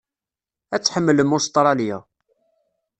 Ad tḥemmlem Ustṛalya.